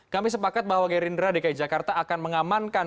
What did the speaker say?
kami sepakat bahwa gerindra dki jakarta akan mengamankan